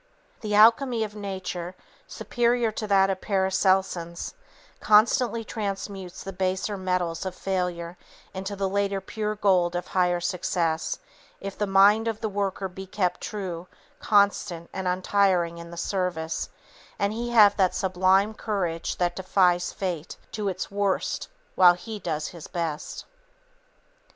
The alchemy of Nature, superior to that of the Paracelsians, constantly transmutes the baser metals of failure into the later pure gold of higher success, if the mind of the worker be kept true, constant and untiring in the service, and he have that sublime courage that defies fate to its worst while he does his best.